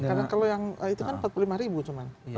karena kalau yang itu kan rp empat puluh lima cuma